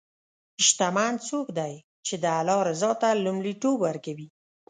شتمن څوک دی چې د الله رضا ته لومړیتوب ورکوي.